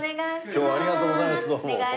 今日はありがとうございますどうも。